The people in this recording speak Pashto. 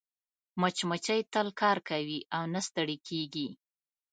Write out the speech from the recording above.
مچمچۍ تل کار کوي او نه ستړې کېږي